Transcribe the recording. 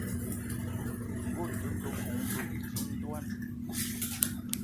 Ngue ute ke bónbô, dím ndwan